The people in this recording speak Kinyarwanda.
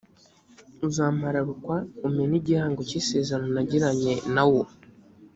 uzampararukwa umene igihango cy’isezerano nagiranye na wo.